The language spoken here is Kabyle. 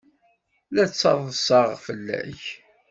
La ttaḍsaɣ fell-ak.